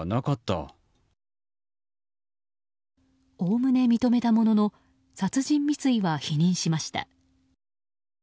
おおむね認めたものの殺人未遂は否認しました。